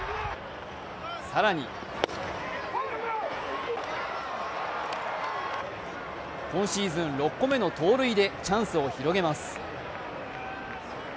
更に今シーズン６個目の盗塁でチャンスを広げます。